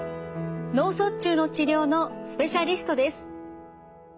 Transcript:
脳卒中の治療のスペシャリストです。